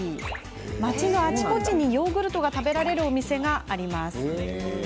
街のあちこちにヨーグルトが食べられるお店があるんです。